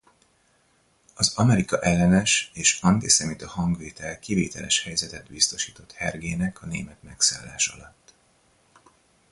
Az Amerika-ellenes és antiszemita hangvétel kivételes helyzetet biztosított Hergének a német megszállás alatt.